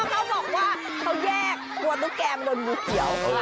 เขาบอกว่าเขาแยกกลัวตุ๊กแกมันโดนงูเขียว